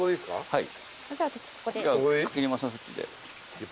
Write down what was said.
はい。